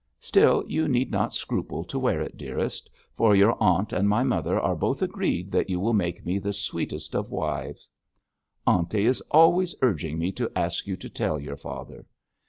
Still, you need not scruple to wear it, dearest, for your aunt and my mother are both agreed that you will make me the sweetest of wives.' 'Aunty is always urging me to ask you to tell your father.'